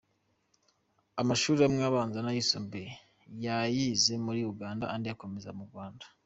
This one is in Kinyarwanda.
Amashuri amwe abanza n’ayisumbuye yayize muri Uganda andi ayakomereza mu Rwanda.